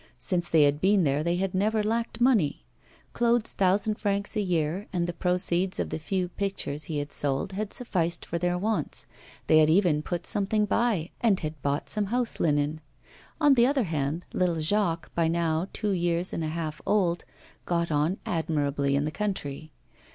Since they had been there they had never lacked money. Claude's thousand francs a year and the proceeds of the few pictures he had sold had sufficed for their wants; they had even put something by, and had bought some house linen. On the other hand, little Jacques, by now two years and a half old, got on admirably in the country.